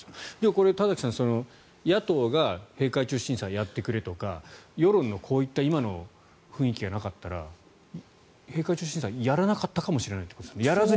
これ、田崎さん、野党が閉会中審査をやってくれとか世論のこういった今の雰囲気がなかったら閉会中審査をやらなかったかもしれないですよね。